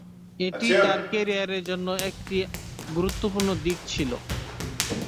এটি তার ক্যারিয়ারের জন্য একটি গুরুত্বপূর্ণ দিক ছিল।